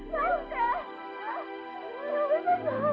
nah ini kira kira